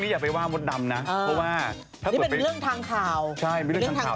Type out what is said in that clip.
หายไปแอ้ดดินส์หนึ่งรักช้ามาแล้วค่ะ